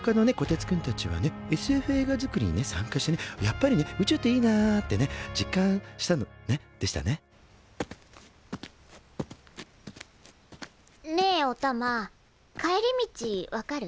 てつくんたちはねＳＦ映画作りにね参加してねやっぱりね宇宙っていいなってね実感したのねでしたねねえおたま帰り道分かる？